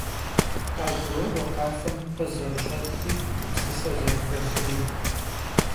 Khaguro'ue khafem pkhı zerış'etri, gupsıse zerıxelhri.